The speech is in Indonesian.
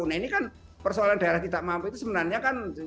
nah ini kan persoalan daerah tidak mampu itu sebenarnya kan